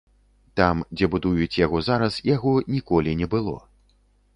Там, дзе будуюць яго зараз, яго ніколі не было.